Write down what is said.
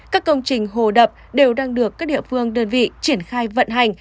các công trình hồ đập đều đang được các địa phương đơn vị triển khai vận hành